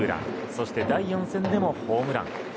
そして第４戦でもホームラン。